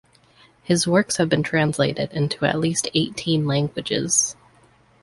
His works have been translated into at least eighteen languages.